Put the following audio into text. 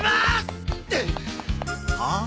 はあ？